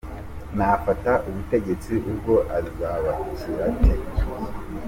Nafata ubutegetsi ubwo azabakira ate ?